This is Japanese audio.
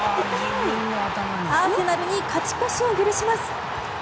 アーセナルに勝ち越しを許します。